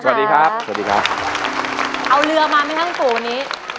สวัสดีครับสวัสดีค่ะเอาเรือมามาทางปู่นี้